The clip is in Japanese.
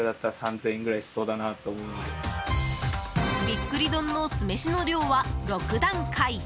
びっくり丼の酢飯の量は６段階。